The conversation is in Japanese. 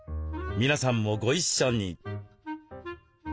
皆さんもご一緒に。